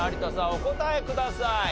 お答えください。